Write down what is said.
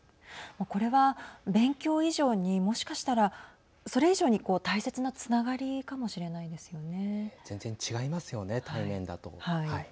これは勉強以上にもしかしたらそれ以上に、こう大切なつながりかもしれないですよね。